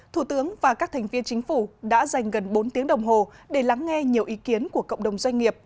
thủ tướng và các thành viên chính phủ đã dành gần bốn tiếng đồng hồ để lắng nghe nhiều ý kiến của cộng đồng doanh nghiệp